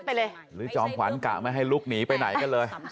หรือจอมขวัญกะไม่ให้ลุกหนีไปไหนกันเลย